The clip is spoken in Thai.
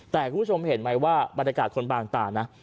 แต่คุณผู้ชมเห็นไหมว่าบรรยากาศคนบางตานะ